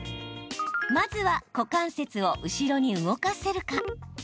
まずは、股関節を後ろに動かせるか。